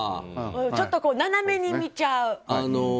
ちょっと斜めに見ちゃう。